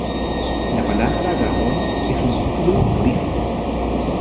La palabra Gaón es un título honorífico.